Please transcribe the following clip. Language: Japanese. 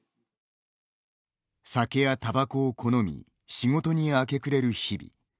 酒やたばこを好み仕事に明け暮れる日々。